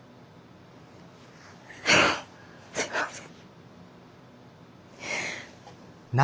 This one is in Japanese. すみません。